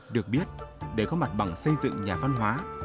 được biết để có mặt bằng xây dựng nhà văn hóa